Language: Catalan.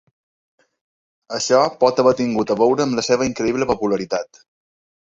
Això pot haver tingut a veure amb la seva increïble popularitat.